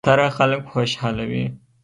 کوتره خلک خوشحالوي.